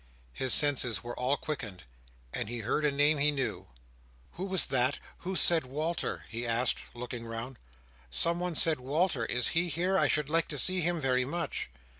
His senses were all quickened, and he heard a name he knew. "Who was that, who said 'Walter'?" he asked, looking round. "Someone said Walter. Is he here? I should like to see him very much."